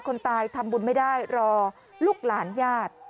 คนตายทำบุญไม่ได้รอลูกหลานญาติ